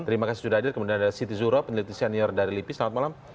terima kasih sudah hadir kemudian ada siti zuro peneliti senior dari lipi selamat malam